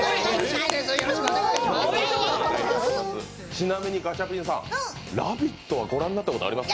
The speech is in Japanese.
ちなみにガチャピンさん、「ラヴィット！」はご覧になったことあります？